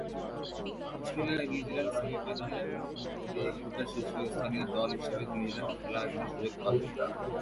Australia-New Zealand সেমি-ফাইনালে মুখোমুখি হলে এ-গ্রুপের শীর্ষস্থানীয় দল হিসেবে নিউজিল্যান্ড খেলা আয়োজনের সুযোগ পাবে।